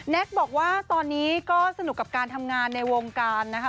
บอกว่าตอนนี้ก็สนุกกับการทำงานในวงการนะคะ